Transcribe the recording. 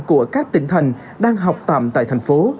của các tỉnh thành đang học tạm tại thành phố